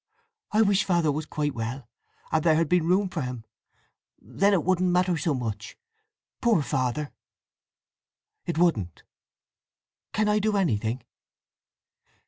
"I wish Father was quite well, and there had been room for him! Then it wouldn't matter so much! Poor Father!" "It wouldn't!" "Can I do anything?"